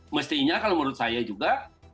mestinya kalau menurut saya juga